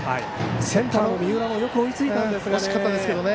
センターの三浦もよく追いついたんですがね。